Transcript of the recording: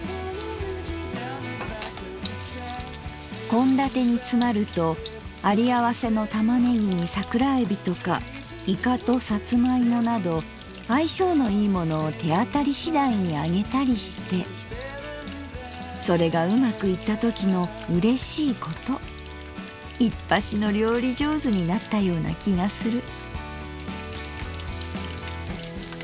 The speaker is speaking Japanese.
「献立につまるとあり合わせの玉ねぎに桜えびとかいかとさつま芋など合い性のいいものを手当たり次第に揚げたりしてそれがうまくいったときの嬉しいこといっぱしの料理上手になったような気がする」。